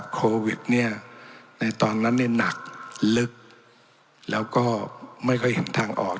โควิดเนี่ยในตอนนั้นเนี่ยหนักลึกแล้วก็ไม่ค่อยเห็นทางออก